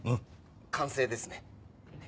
完成ですね。